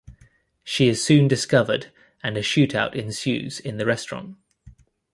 She is soon discovered and a shoot out ensues in the restaurant.